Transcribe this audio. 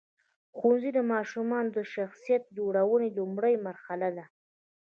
ښوونځی د ماشومانو د شخصیت جوړونې لومړۍ مرحله ده.